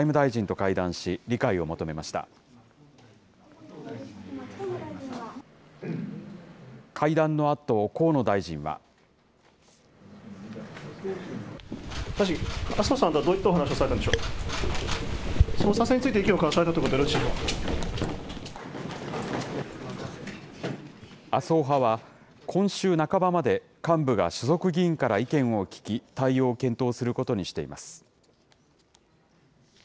会談のあと、河野大臣は。麻生派は、今週半ばまで幹部が所属議員から意見を聞き、対応を検討することにしています。